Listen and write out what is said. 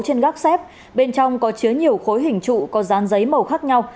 trên gác xếp bên trong có chứa nhiều khối hình trụ có dán giấy màu khác nhau